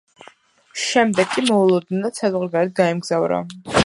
შემდეგ კი მოულოდნელად საზღვარგარეთ გაემგზავრა.